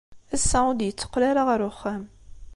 Ass-a, ur d-yetteqqal ara ɣer uxxam.